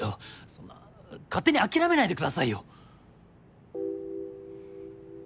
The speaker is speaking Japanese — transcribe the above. そんな勝手に諦めないでくださいよ。